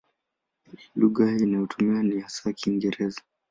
Lugha inayotumiwa ni hasa Kiingereza.